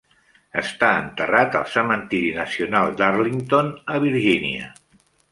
Està enterrat al cementiri nacional d'Arlington, a Virgínia.